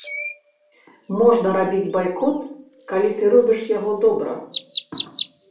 Можна рабіць байкот, калі ты робіш яго добра.